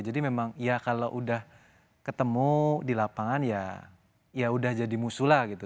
jadi memang ya kalau udah ketemu di lapangan ya udah jadi musuh lah gitu